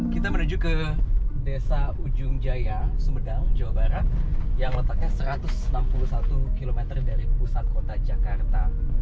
kita menuju ke desa ujung jaya sumedang jawa barat yang letaknya satu ratus enam puluh satu km dari pusat kota jakarta